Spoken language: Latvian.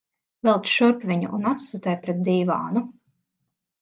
Velc šurp viņu un atstutē pret dīvānu.